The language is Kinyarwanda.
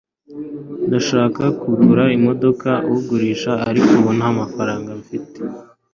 ndashaka kugura imodoka ugurisha, ariko ubu ntamafaranga mfite